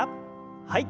はい。